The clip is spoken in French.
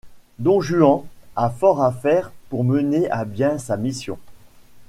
Don Juan a fort à faire pour mener à bien sa mission.